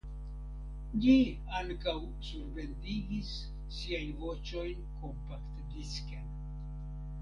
Ĝi ankaŭ surbendigis siajn voĉojn kompaktdisken.